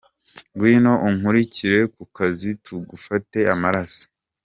Ngwino unkurikire ku kazi tugufate amaraso.